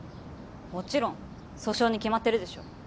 もちろん訴訟に決まってるでしょ。